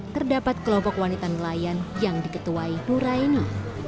terdapat kelompok wanita nelayan yang diketuai nuraini